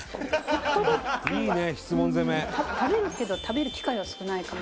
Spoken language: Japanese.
「食べるけど食べる機会は少ないかも」